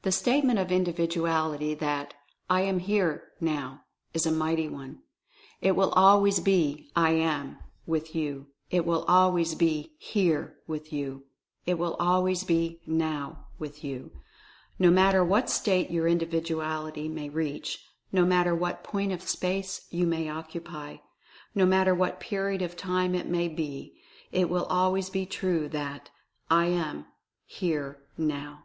The Statement of Individuality that "I AM HERE, NOW," is a mighty one. It will always be "I Am" Concluding Instruction 253 with you — it will always be "Here" with you — it will always be "Now" with you. No matter what state your Individuality may reach ; no matter what point of space you may occupy; no matter what period of time it may be — it will always be true that "I AM, HERE, NOW